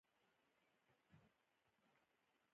قومونه د افغانستان د اقتصاد برخه ده.